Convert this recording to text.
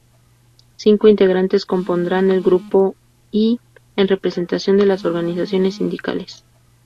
Cinco integrantes compondrán el grupo I, en representación de las organizaciones sindicales.